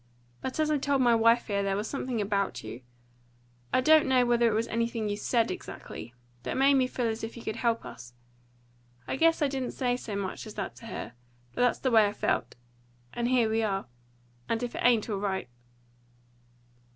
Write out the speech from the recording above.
But, as I told my wife here, there was something about you I don't know whether it was anything you SAID exactly that made me feel as if you could help us. I guess I didn't say so much as that to her; but that's the way I felt. And here we are. And if it ain't all right."